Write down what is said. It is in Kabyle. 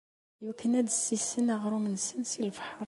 Iwakken ad d-ssisen aɣrum-nsen si lebḥer.